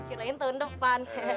kirain tahun depan